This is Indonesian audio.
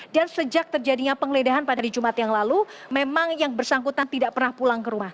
dan sejak terjadinya pengledahan pada jumat yang lalu memang yang bersangkutan tidak pernah pulang ke rumah